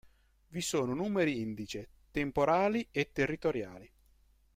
Vi sono numeri indice "temporali" e "territoriali".